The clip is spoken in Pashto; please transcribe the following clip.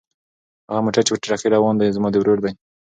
هغه موټر چې په چټکۍ روان دی زما د ورور دی.